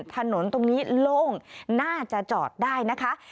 ถนนตรงนี้โล่งน่าจะจอดได้นะคะ